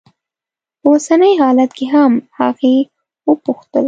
په اوسني حالت کې هم؟ هغې وپوښتل.